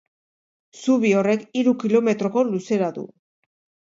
Zubi horrek hiru kilometroko luzera du.